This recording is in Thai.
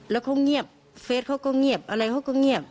แล้วเขาเงียบเฟสเขาก็เงียบอะไรเขาก็เงียบ